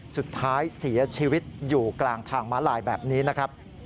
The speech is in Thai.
สุดท้ายเสียชีวิตอยู่กลางทางม้าลายแบบนี้นะครับ